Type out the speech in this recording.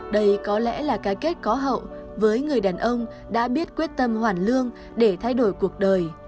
đây có lẽ là cái kết có hậu với người đàn ông đã biết quyết tâm hoàn lương để thay đổi cuộc đời